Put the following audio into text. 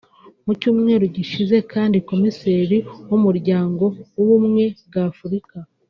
Mu cyumweru gishize kandi Komiseri w’Umuryango w’Ubumwe bwa Afurika